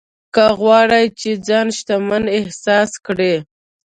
که غواړې چې ځان شتمن احساس کړې.